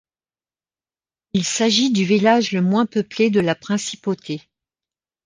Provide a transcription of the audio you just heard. Il s'agit du village le moins peuplé de la principauté.